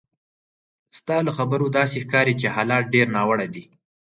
ستا له خبرو داسې ښکاري چې حالات ډېر ناوړه دي.